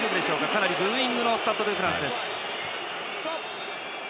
かなりブーイングが起きたスタッド・ド・フランスです。